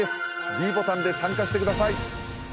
ｄボタンで参加してください